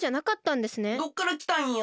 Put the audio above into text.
どっからきたんよ？